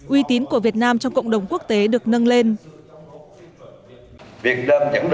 uy tín của việt nam trong cộng đồng quốc tế được nâng lên